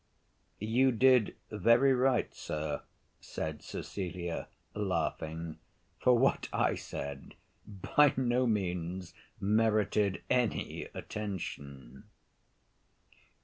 "You did very right, sir," said Cecilia, laughing, "for what I said by no means merited any attention."